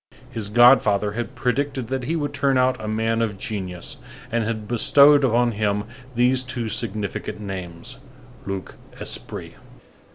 His god father had predicted that he would turn out a man of genius, and had bestowed on him these two significant names: Luc Esprit.